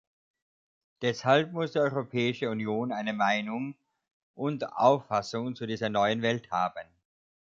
Deshalb muss die Europäische Union eine Meinung und Auffassung zu dieser neuen Welt haben.